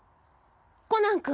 コナン君？